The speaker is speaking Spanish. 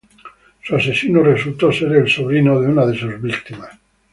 Su asesino resultó ser el sobrino de una de sus víctimas.